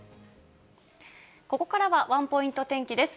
ここからはワンポイント天気です。